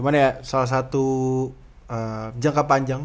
nah ini ya salah satu jangka panjang